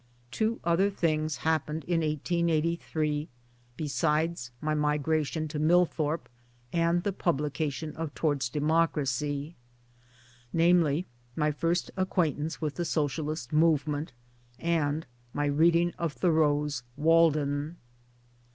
Two other things happened in 1883 besides my migration to Millthorpe, and publication of Towards f Democracy namely, my first acquaintance with the Socialist movement, and my reading of Thoreau's Wjalden.